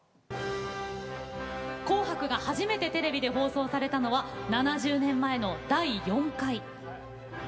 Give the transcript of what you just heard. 「紅白」が、初めてテレビで放送されたのは７０年前の第４回。